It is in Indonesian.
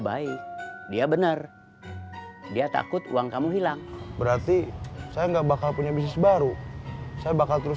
baik dia benar dia takut uang kamu hilang berarti saya enggak bakal punya bisnis baru saya bakal terus